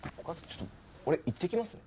ちょっと俺行ってきますね。